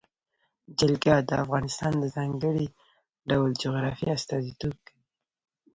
جلګه د افغانستان د ځانګړي ډول جغرافیه استازیتوب کوي.